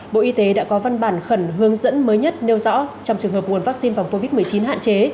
bộ y tế đã có văn bản khẩn hướng dẫn mới nhất nêu rõ trong trường hợp nguồn vaccine phòng covid một mươi chín hạn chế